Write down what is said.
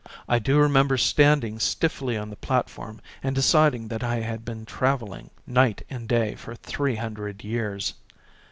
I do remember standing stiffly on the plat form and deciding that I had been travelling night and day for three hundred years.